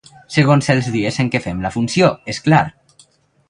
Segons els dies en què fem la funció, és clar.